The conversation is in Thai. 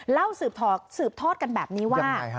สืบทอดกันแบบนี้ว่า